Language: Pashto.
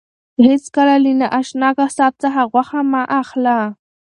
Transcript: هیڅکله له نااشنا قصاب څخه غوښه مه اخله.